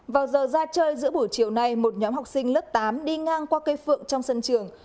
vào giờ ra chơi giữa buổi chiều nay một nhóm học sinh lớp tám đi ngang qua cây phượng trong sân trường